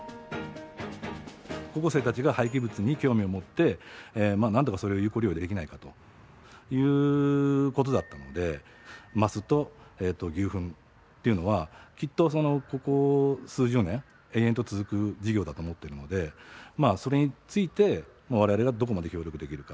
高校生たちが廃棄物に興味を持ってなんとかそれを有効利用できないかということだったのでマスと牛ふんっていうのはきっとここ数十年延々と続く事業だと思ってるのでまあそれについて我々がどこまで協力できるか。